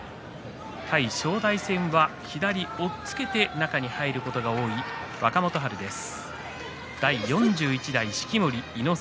対正代戦は左押っつけで中に入ることが多い若元春です。